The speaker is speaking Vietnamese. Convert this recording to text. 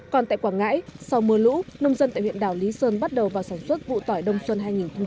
còn tại quảng ngãi sau mưa lũ nông dân tại huyện đảo lý sơn bắt đầu vào sản xuất vụ tỏi đông xuân hai nghìn hai mươi hai nghìn hai mươi một